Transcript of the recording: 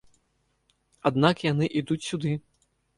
Аднак яны ідуць сюды.